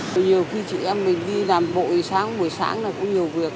nhiều khi chị em mình đi làm bội sáng buổi sáng là cũng nhiều việc